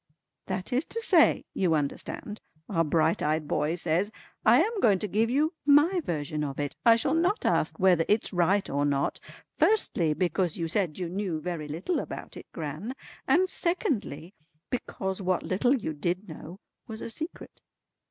"That is to say, you understand," our bright eyed boy says, "I am going to give you my version of it. I shall not ask whether it's right or not, firstly because you said you knew very little about it, Gran, and secondly because what little you did know was a secret."